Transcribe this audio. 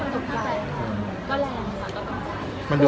ตอนที่เราอ่านเนี่ย